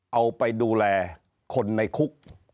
เอาไปดูแลคนในคุก